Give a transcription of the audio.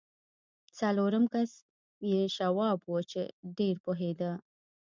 څلورم کس یې شواب و چې ډېر پوهېده